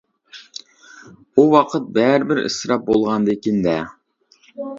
ئۇ ۋاقىت بەرىبىر ئىسراپ بولغاندىكىن دە.